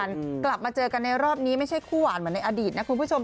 กลับมาเจอกันในรอบนี้ไม่ใช่คู่หวานเหมือนในอดีตนะคุณผู้ชม